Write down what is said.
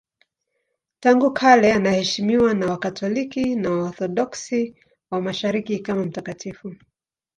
Tangu kale anaheshimiwa na Wakatoliki na Waorthodoksi wa Mashariki kama mtakatifu.